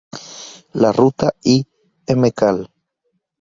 La ruta I Mcal.